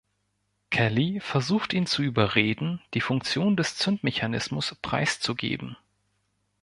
Kelly versucht ihn zu überreden, die Funktion des Zündmechanismus preiszugeben.